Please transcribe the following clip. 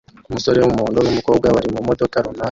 Umusore wumuhondo numukobwa bari mumodoka runaka